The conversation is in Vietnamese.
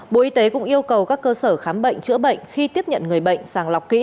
bộ y tế cũng yêu cầu các cơ sở khám bệnh chữa bệnh khi tiếp nhận người bệnh sàng lọc kỹ